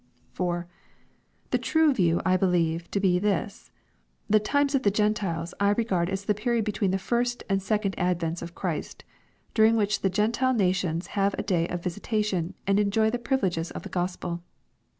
4. The true view I believe to be this. The " times of the G en tiles'* I regard as the period between the first and second advents of Christy during which the Gentile nations have a day of visita tion and enjoy the privileges of the Gospel.